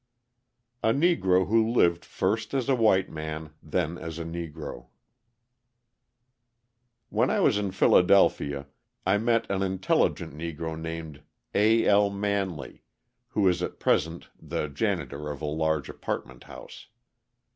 '" A Negro Who Lived First as a White Man, Then as a Negro When I was in Philadelphia I met an intelligent Negro named A. L. Manley, who is at present the janitor of a large apartment house.